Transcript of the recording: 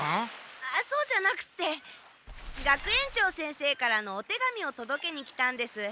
あっそうじゃなくて学園長先生からのお手紙をとどけに来たんです。